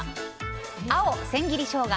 青、千切りショウガ